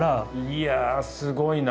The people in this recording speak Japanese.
いやすごいな。